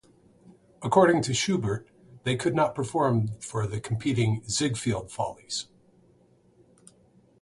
According to Shubert, they could not perform for the competing "Ziegfeld Follies".